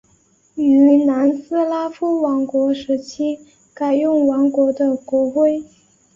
于南斯拉夫王国时期改用王国的国徽。